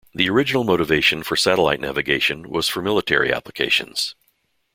The original motivation for satellite navigation was for military applications.